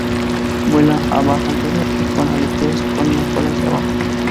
Vuela a baja altura y con aleteos, con la cola hacia abajo.